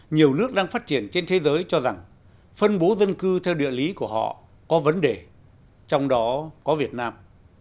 nhiều nước đang phát triển trên thế giới cho rằng phân bố dân cư theo địa lý của họ có vấn đề trong đó có việt nam